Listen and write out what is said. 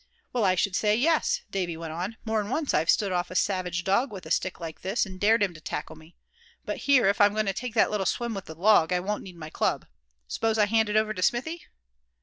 "Well, I should say, yes," Davy went on; "more'n once I've stood off a savage dog with a stick like this, and dared him to tackle me. But here, if I'm going to take that little swim with the log, I won't need my club. S'pose I hand it over to Smithy?"